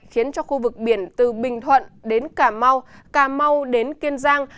khiến cho khu vực biển từ bình thuận đến cà mau cà mau đến kiên giang